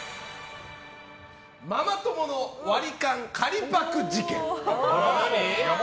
ママ友の割り勘借りパク事件。